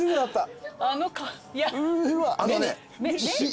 あのね。